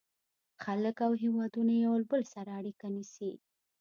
• خلک او هېوادونه یو له بل سره اړیکه نیسي.